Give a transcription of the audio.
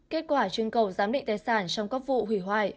kết quả trưng cầu giám định tài sản trong các vụ hủy hoại